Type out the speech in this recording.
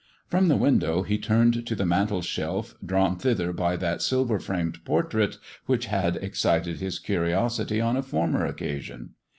From the window he turned to the mantelshelf, drawn thither by that silver framed portrait which had excited his curiosity on a former occasion.